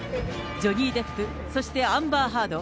ジョニー・デップ、そしてアンバー・ハード。